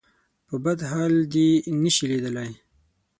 په بد حال دې نه شي ليدلی.